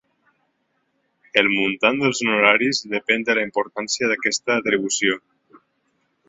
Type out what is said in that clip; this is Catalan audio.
El muntant dels honoraris depèn de la importància d'aquesta atribució.